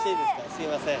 すいません。